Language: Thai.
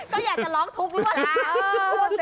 ไม่อยากจะร้องทุกร่วมละ